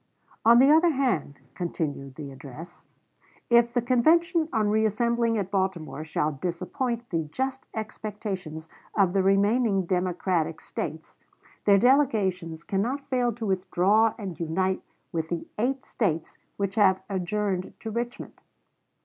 "On the other hand," continued the address, "if the convention, on reassembling at Baltimore, shall disappoint the just expectations of the remaining Democratic States, their delegations cannot fail to withdraw and unite with the eight States which have adjourned to Richmond."